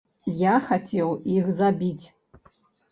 Я хацеў іх забіць.